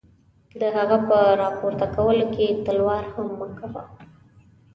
د هغه په را پورته کولو کې تلوار هم مه کوه.